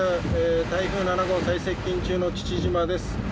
台風７号最接近中の父島です。